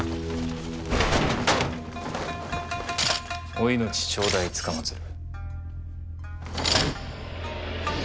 お命頂戴つかまつる。